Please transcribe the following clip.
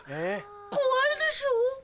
怖いでしょ？